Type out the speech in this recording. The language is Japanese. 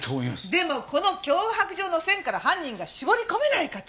でもこの脅迫状の線から犯人が絞り込めないかと。